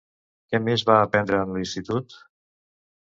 Què més va aprendre en l'institut?